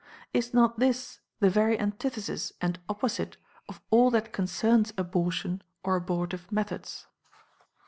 Is not this the very antithesis and opposite of all that concerns abortion or abortive methods?